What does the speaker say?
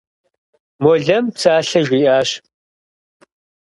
Молэм псалъэ жиӏащ.